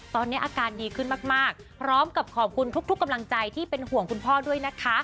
ตอนนี้อาการดีขึ้นมากพร้อมกับขอบคุณทุกกำลังใจที่เป็นห่วงคุณพ่อด้วยนะคะ